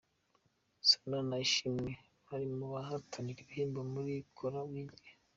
Sano na ishimwe bari mu bahatanira ibihembo muri Kora wigire